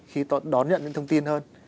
khi đón nhận những thông tin hơn